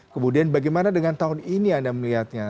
kemudian bagaimana dengan tahun ini anda melihatnya